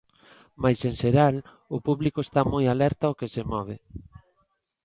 Mais en xeral o público está moi alerta ao que se move.